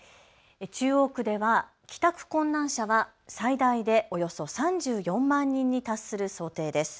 中央区では帰宅困難者は最大でおよそ３４万人に達する想定です。